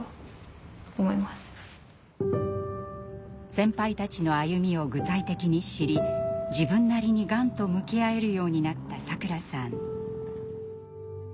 先輩たちの歩みを具体的に知り自分なりにがんと向き合えるようになったサクラさん。